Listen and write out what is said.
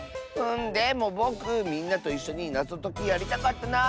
でもぼくみんなといっしょになぞときやりたかったなあ。